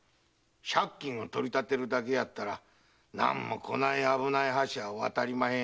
借金を取り立てるだけやったらなんもこない危ない橋は渡りまへん。